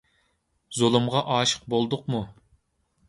زۇلۇمغا ئاشىق بولدۇقمۇ؟